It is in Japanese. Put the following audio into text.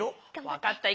わかった。